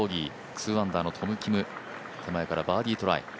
２アンダーのトム・キム手前からバーディートライ。